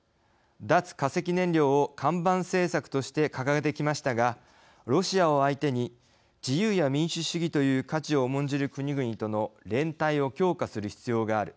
脱化石燃料を看板政策として掲げてきましたがロシアを相手に自由や民主主義という価値を重んじる国々との連帯を強化する必要がある。